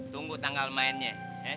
tunggu tanggal mainnya